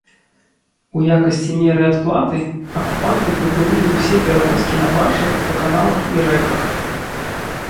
У якасці меры адплаты акупанты прыпынілі ўсе перавозкі на баржах па каналах і рэках.